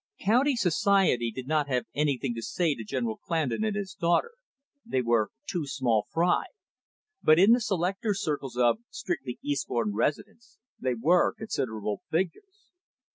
County society did not have anything to say to General Clandon and his daughter, they were too small fry, but in the selecter circles of strictly Eastbourne residents they were considerable figures.